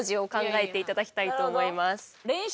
え！